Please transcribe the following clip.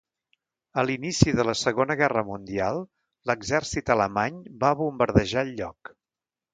A l'inici de la Segona Guerra Mundial l'exèrcit alemany va bombardejar el lloc.